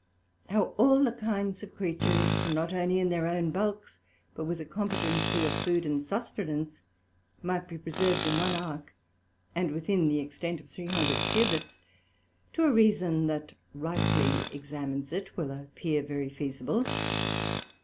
How all the kinds of Creatures, not only in their own bulks, but with a competency of food and sustenance, might be preserved in one Ark, and within the extent of three hundred Cubits, to a reason that rightly examines it, will appear very feasible.